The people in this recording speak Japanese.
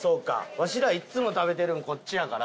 わしらいつも食べてるんこっちやから。